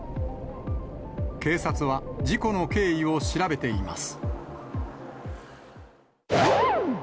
警察は事故の経緯を調べています。